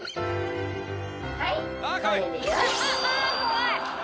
はい！